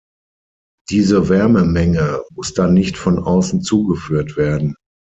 Diese Wärmemenge muss dann nicht von außen zugeführt werden.